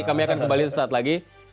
kami akan kembali sesaat lagi